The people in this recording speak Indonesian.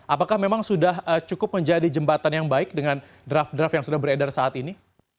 apakah memang sudah cukup menjadi jembatan yang baik dengan draft draft yang sudah beredar saat ini